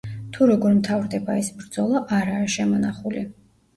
თუ როგორ მთავრდება ეს ბრძოლა არაა შემონახული.